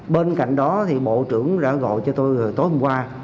bên cạnh đó thì bộ trưởng đã gọi cho tôi tối hôm qua